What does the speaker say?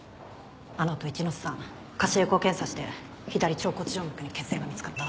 あのあと一ノ瀬さん下肢エコー検査して左腸骨静脈に血栓が見つかった。